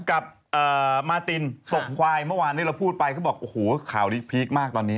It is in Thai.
กับมาตินตกควายเมื่อวานนี้เราพูดไปเขาบอกโอ้โหข่าวนี้พีคมากตอนนี้